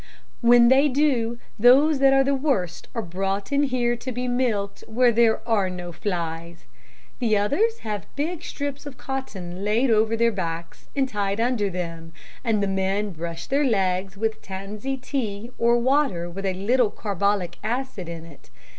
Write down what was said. "When they do, those that are the worst are brought in here to be milked where there are no flies. The others have big strips of cotton laid over their backs and tied under them, and the men brush their legs with tansy tea, or water with a little carbolic acid in it.